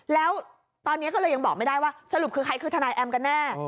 แล้วตอนนี้ก็เลยยังบอกไม่ได้ว่าสรุปคือใครคือทนายแอมกันแน่